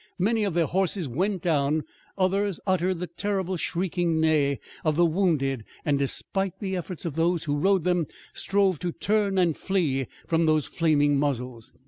Many of their horses went down, others uttered the terrible shrieking neigh of the wounded, and, despite the efforts of those who rode them, strove to turn and flee from those flaming muzzles.